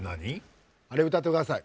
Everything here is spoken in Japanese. あれ歌ってください